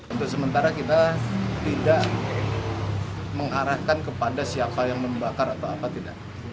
untuk sementara kita tidak mengarahkan kepada siapa yang membakar atau apa tidak